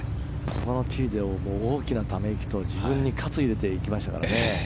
ここのティーで大きなため息と自分に活を入れていきましたから。